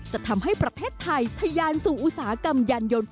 จะทำให้ประเทศไทยทะยานสู่อุตสาหกรรมยานยนต์